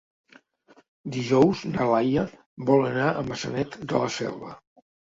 Dijous na Laia vol anar a Maçanet de la Selva.